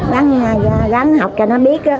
ráng học cho nó biết